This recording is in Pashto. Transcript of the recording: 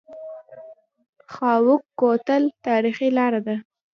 خاوک کوتل تاریخي لاره ده؟